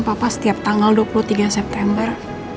papa setiap tanggal dua puluh tiga september